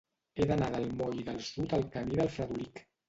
He d'anar del moll del Sud al camí del Fredolic.